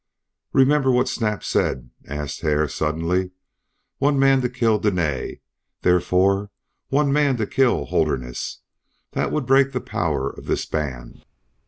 "Remember what Snap said?" asked Hare, suddenly. "One man to kill Dene! Therefore one man to kill Holderness! That would break the power of this band."